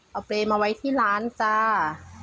เอาเปรย์มาไว้ที่ร้านจ้า